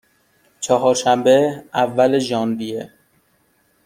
چهارشنبه، اول ژانویه